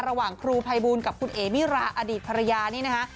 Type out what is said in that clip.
ระหว่างครูภัยบูลกับคุณเอ๋มิราอดีตภรรยานี่นะคะ